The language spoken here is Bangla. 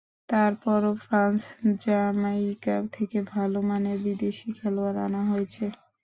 তার পরও ফ্রান্স, জ্যামাইকা থেকে ভালো মানের বিদেশি খেলোয়াড় আনা হয়েছে।